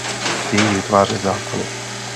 Chtějí vytvářet zákony.